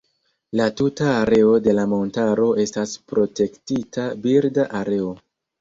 La tuta areo de la montaro estas Protektita birda areo.